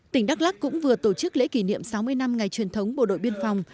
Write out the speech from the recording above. tỉnh đắk lắc cũng vừa tổ chức lễ kỷ niệm sáu mươi năm ngày truyền thống bộ đội biên phòng